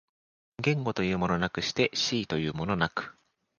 言語というものなくして思惟というものなく、